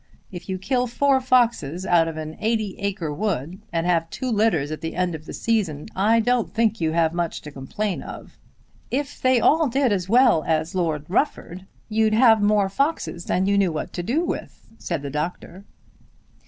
If you kill four foxes out of an eighty acre wood, and have two litters at the end of the season, I don't think you have much to complain of." "If they all did as well as Lord Rufford, you'd have more foxes than you'd know what to do with," said the doctor.